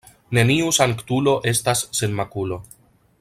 Neniu sanktulo estas sen makulo.